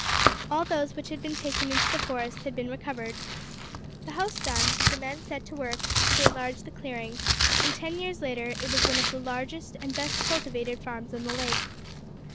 All those which had been taken into the forest had been recovered. The house done, the men set to work to enlarge the clearing, and ten years later it was one of the largest and best cultivated farms on the lake.